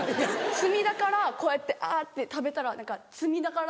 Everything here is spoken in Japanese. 罪だからこうやってあって食べたら罪だから。